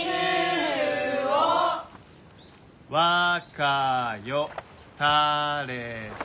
「わかよたれそ」。